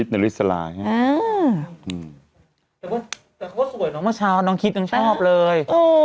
แต่ก็สวยน้องคลิตชอบของพี่แอฟเลย